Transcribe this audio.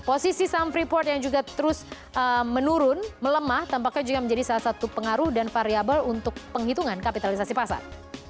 posisi saham freeport yang juga terus menurun melemah tampaknya juga menjadi salah satu pengaruh dan variable untuk penghitungan kapitalisasi pasar